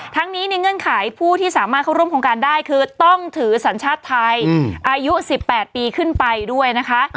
ทั้งนี้ในเงื่อนไขผู้ที่สามารถเข้าร่วมโครงการได้คือต้องถือสัญชาติไทยอายุ๑๘ปีขึ้นไปด้วยนะคะ